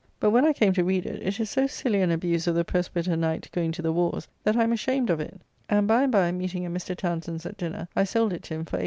But when I came to read it, it is so silly an abuse of the Presbyter Knight going to the warrs, that I am ashamed of it; and by and by meeting at Mr. Townsend's at dinner, I sold it to him for 18d.